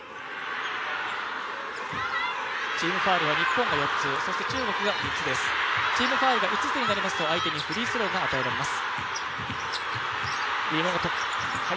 チームファウルは日本が４つそして中国が３つです、チームファウルが５つになりますと、相手にフリースローが与えられます。